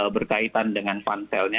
berkaitan dengan funselnya